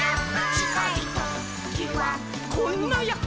「ちかいときはこんなヤッホ」